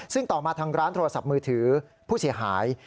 ซึ่งต่อมาทางร้านโทรศัพท์มือถือผู้เสียหาย